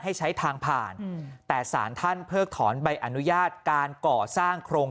ให้ใช้ทางผ่านแต่สารท่านเพิกถอนใบอนุญาตการก่อสร้างโครง